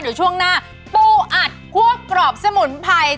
เดี๋ยวช่วงหน้าปูอัดคั่วกรอบสมุนไพร